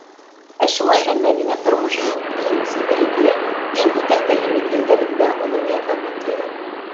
Ә шулай ҙа Мәҙинә тормошоноң иң сетерекле, иң һикәлтәле миҙгелдәрендә уның ярҙамын тойҙо.